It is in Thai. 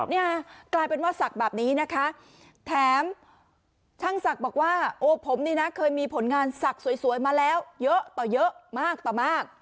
เนี่ยกลายเป็นว่าศักดิ์แบบนี้นะคะแถมช่างศักดิ์บอกว่าโอ้ผมนี่นะเคยมีผลงานศักดิ์สวยมาแล้วเยอะต่อเยอะมากต่อมาก